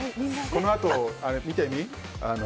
このあと見てみ